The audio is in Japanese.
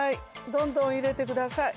どんどん入れてください